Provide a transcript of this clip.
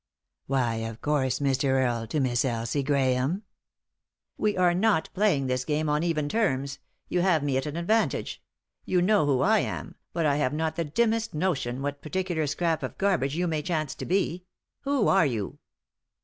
"Why, of course, Mr. Earle, to Miss Elsie Grahame." "We are not playing this game on even terms; yon hare me at an advantage. You know who I am, bat I have not the dimmest notion what particular scrap of garbage you may chance to be. Who are you?"